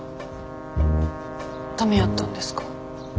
ダメやったんですか？